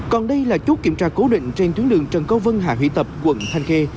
còn đây là chốt kiểm tra cố định trên tuyến đường trần câu vân hạ hủy tập quận thanh khê